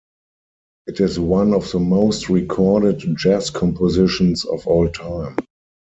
It is one of the most recorded jazz compositions of all time.